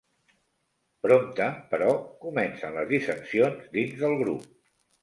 Prompte, però, comencen les dissensions dins del grup.